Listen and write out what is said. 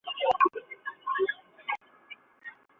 目前主要的投影方式主要有方位角。